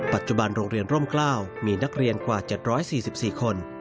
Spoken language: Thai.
ปัจจุบันโรงเรียนร่มกล้าวมีนักเรียนกว่า๗๔๔คน